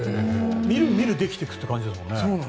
みるみるできてくって感じですもんね。